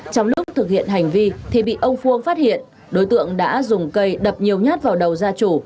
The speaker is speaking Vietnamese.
trong lúc thực hiện hành vi thì bị ông phương phát hiện đối tượng đã dùng cây đập nhiều nhát vào đầu gia chủ